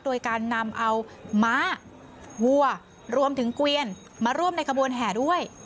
โดยการนำเอาม้าวัวรวมถึงเกวียนมาร่วมในขบวนแห่ด้วย